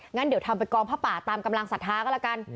งั้นเดี๋ยวทำไปกองผ้าป่าตามกำลังศรัทธาก็แล้วกัน